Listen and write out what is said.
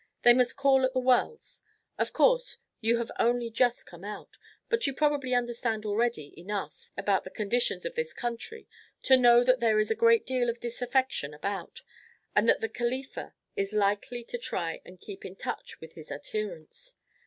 They must call at the wells. Of course you have only just come out, but you probably understand already enough about the conditions of this country to know that there is a great deal of disaffection about, and that the Khalifa is likely to try and keep in touch with his adherents.